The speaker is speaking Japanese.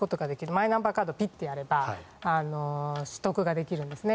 マイナンバーカードをピッてやれば取得ができるんですね。